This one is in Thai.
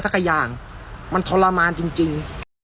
สักอย่างมันทรมานจริงจริง